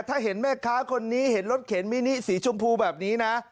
ถ้าเห็นแม่ค้าคนนี้เห็นรถเข็นมินิสีชมพูแบบนี้นะ